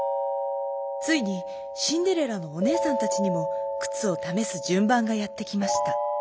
ついにシンデレラのおねえさんたちにもくつをためすじゅんばんがやってきました。